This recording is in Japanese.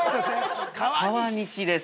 川西です。